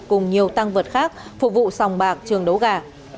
cùng nhiều tăng vật khác phục vụ sòng bạc trường đố gà